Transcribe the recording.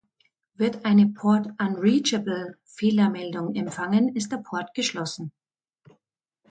Wird eine „Port Unreachable“-Fehlermeldung empfangen, ist der Port geschlossen.